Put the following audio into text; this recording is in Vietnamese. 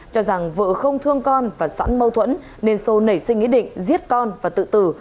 cho rằng vợ không thương con và sẵn mâu thuẫn nên sô nảy sinh ý định giết con và tự tử